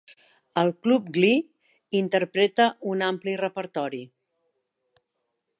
El club Glee interpreta un ampli repertori.